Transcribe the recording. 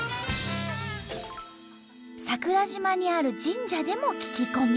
桜島にある神社でも聞き込み。